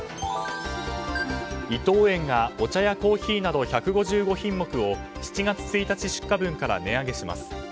伊藤園がお茶やコーヒーなど１５５品目を７月１日出荷分から値上げします。